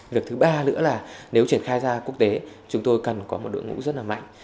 việc thứ ba nữa là nếu triển khai ra quốc tế chúng tôi cần có một đội ngũ rất là mạnh